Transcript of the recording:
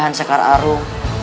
semoga sekar arung